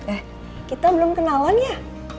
eh kita belum kenalan ya